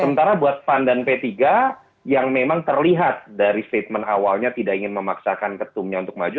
sementara buat pan dan p tiga yang memang terlihat dari statement awalnya tidak ingin memaksakan ketumnya untuk maju